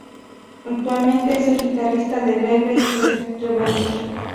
Actualmente es el guitarrista de Velvet Revolver.